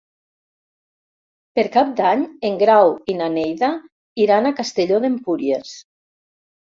Per Cap d'Any en Grau i na Neida iran a Castelló d'Empúries.